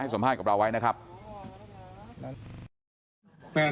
พี่สาวอายุ๗ขวบก็ดูแลน้องดีเหลือเกิน